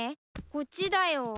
こっちだよ。